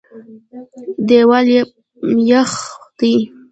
دېوال پخ دی.